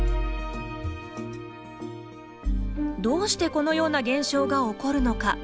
どうしてこのような現象が起こるのか。